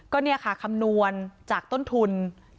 ก็เนี่ยค่ะคำนวณจากต้นทุน